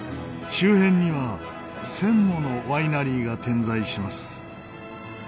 周辺には１０００ものワイナリーが点在します。